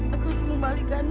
aku harus membalikkannya